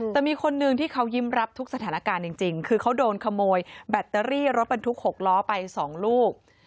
แต่มีคนนึงที่เขายิ้มรับทุกสถานการณ์จริงคือเขาโดนขโมยแบตเตอรี่รถบรรทุก๖ล้อไป๒ลูก